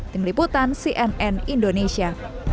tim liputan cnn indonesia